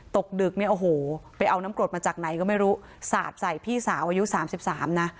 ตกดึกเนี่ยโอ้โหไปเอาน้ำกรดมาจากไหนก็ไม่รู้สาดใส่พี่สาวอายุ๓๓นะ